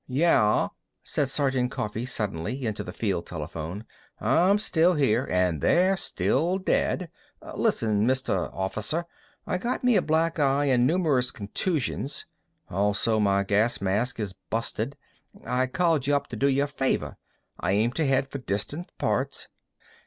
"Yeah," said Sergeant Coffee suddenly, into the field telephone, "I'm still here, an' they're still dead.... Listen, Mr. Officer, I got me a black eye an' numerous contusions. Also my gas mask is busted. I called y'up to do y' a favor. I aim to head for distant parts....